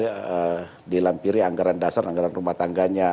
yang di lampirin adalah anggaran dasar anggaran rumah tangganya